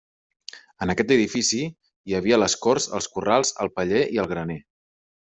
En aquest edifici hi havia les corts, els corrals, el paller i el graner.